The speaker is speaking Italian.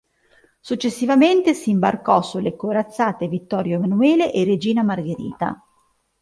Successivamente si imbarcò sulle corazzate "Vittorio Emanuele" e "Regina Margherita".